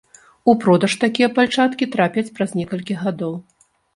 У продаж такія пальчаткі трапяць праз некалькі гадоў.